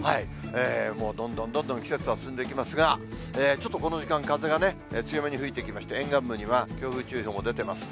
もうどんどんどんどん季節は進んでいきますが、ちょっとこの時間、風がね、強めに吹いてきまして、沿岸部には強風注意報も出てます。